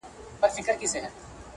ځکه له تاسې سره